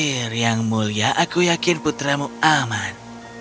jangan khawatir yang mulia aku yakin putramu aman